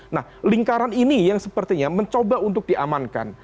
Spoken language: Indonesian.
nah lingkaran ini yang sepertinya mencoba untuk diamankan